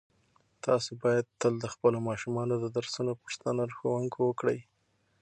تاسو باید تل د خپلو ماشومانو د درسونو پوښتنه له ښوونکو وکړئ.